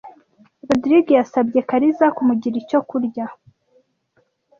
Rogride yasabye Kariza kumugira icyo kurya.